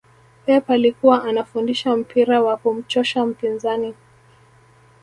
pep alikuwa anafundisha mpira wa kumchosha mpinzani